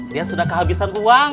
dia sudah kehabisan uang